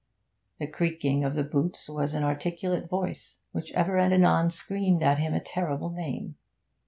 The creaking of the boots was an articulate voice, which ever and anon screamed at him a terrible name.